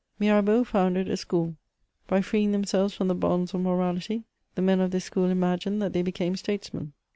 Mirabeau founded a school. By freeing themselves from the bonds of morality, the men of tms school imagined that they became statesmen.